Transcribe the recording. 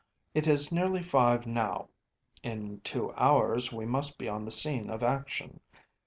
It is nearly five now. In two hours we must be on the scene of action.